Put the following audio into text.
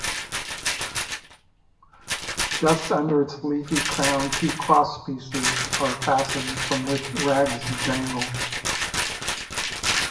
Just under its leafy crown two crosspieces are fastened from which rags dangle.